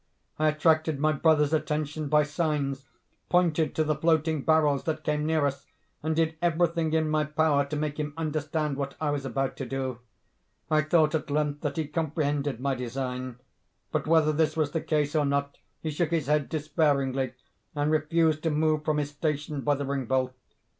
I attracted my brother's attention by signs, pointed to the floating barrels that came near us, and did everything in my power to make him understand what I was about to do. I thought at length that he comprehended my design—but, whether this was the case or not, he shook his head despairingly, and refused to move from his station by the ring bolt.